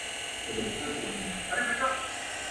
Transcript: ماشوم غوښتل چې د ونې په لوړو څانګو کې ځان پټ کړي.